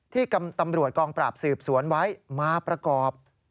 ที่ตำรวจกองปราบสืบสวนไว้มาประกอบ